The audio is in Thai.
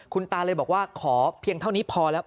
คุณตาเลยบอกว่าขอเพียงเท่านี้พอแล้ว